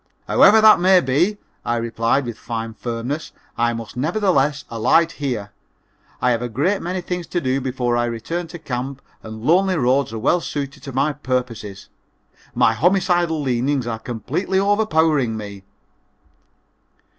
"However that may be," I replied with fine firmness, "I must nevertheless alight here. I have a great many things to do before I return to camp and lonely roads are well suited to my purposes. My homicidal leanings are completely over powering me."